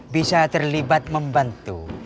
bisa terlibat membantu